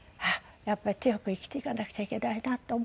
やっぱり強く生きていかなくちゃいけないなと思います。